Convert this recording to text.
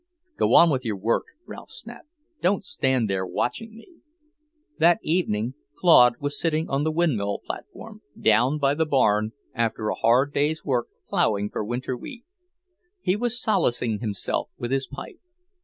"Go on with your work," Ralph snapped. "Don't stand there watching me!" That evening Claude was sitting on the windmill platform, down by the barn, after a hard day's work ploughing for winter wheat. He was solacing himself with his pipe.